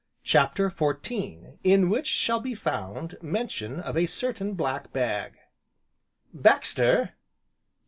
CHAPTER XXIV In which shall be found mention of a certain black bag "Baxter!"